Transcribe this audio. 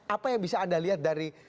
apa yang bisa anda lihat dari